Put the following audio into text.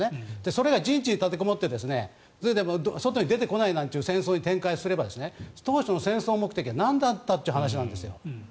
それが陣地に立てこもってそれで外に出てこないなんていう戦争に展開すれば当初の戦争目的はなんなんだという話なんです。